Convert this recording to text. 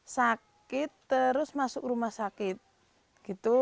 sakit terus masuk rumah sakit gitu